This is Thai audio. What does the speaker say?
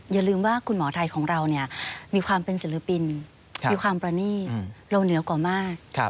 อย่าลืมว่าคุณหมอไทยของเรามีความเป็นศิลปินมีความประณีตเราเหนือกว่ามาก